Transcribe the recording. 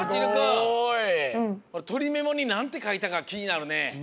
すごい！とりメモになんてかいたかきになるね。